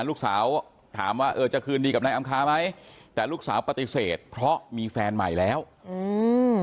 ลูกสาวถามว่าเออจะคืนดีกับนายอำคาไหมแต่ลูกสาวปฏิเสธเพราะมีแฟนใหม่แล้วอืม